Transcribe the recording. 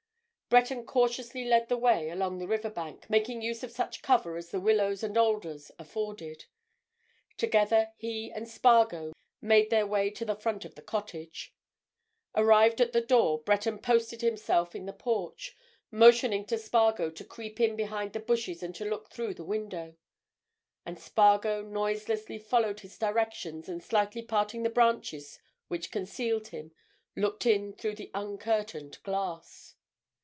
Breton cautiously led the way along the river bank, making use of such cover as the willows and alders afforded. Together, he and Spargo made their way to the front of the cottage. Arrived at the door, Breton posted himself in the porch, motioning to Spargo to creep in behind the bushes and to look through the window. And Spargo noiselessly followed his directions and slightly parting the branches which concealed him looked in through the uncurtained glass.